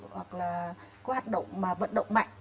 hoặc là có hạt động mà vận động mạnh